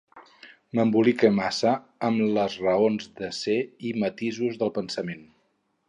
M'embolique massa amb les raons de ser i matisos del pensament.